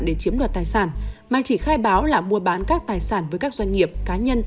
để chiếm đoạt tài sản mà chỉ khai báo là mua bán các tài sản với các doanh nghiệp cá nhân